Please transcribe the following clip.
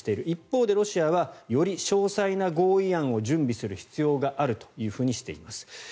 一方でロシアはより詳細な合意案を準備する必要があるとしています。